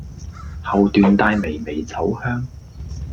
後段帶微微酒香